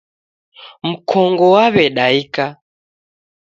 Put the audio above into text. Mkongo waw'edaika.